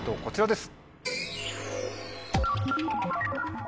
こちらです。